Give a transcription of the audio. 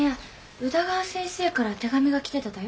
宇田川先生から手紙が来てただよ。